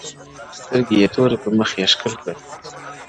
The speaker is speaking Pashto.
سترگي يې توري “پر مخ يې ښكل كړه”